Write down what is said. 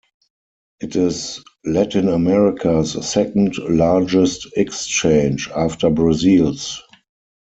It is Latin America's second largest exchange, after Brazil's.